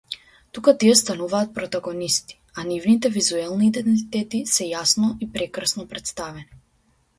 Тука тие стануваат протагонисти, а нивните визуелни идентитети се јасно и прекрасно претставени.